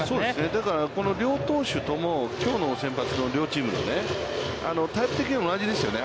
だから、両投手とも、きょうの先発の両チームのね、タイプ的に同じですよね。